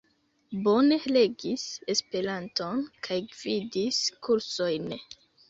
Bone regis Esperanton kaj gvidis kursojn.